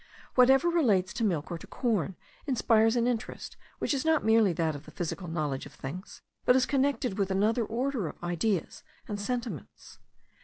Whatever relates to milk or to corn, inspires an interest which is not merely that of the physical knowledge of things, but is connected with another order of ideas and sentiments.